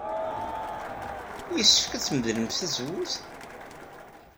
Yessefk ad tmedlemt tazewwut?